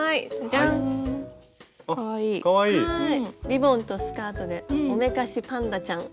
リボンとスカートでおめかしパンダちゃん。